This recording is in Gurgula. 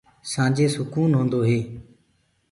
سآنجي سُڪون هوندو هي۔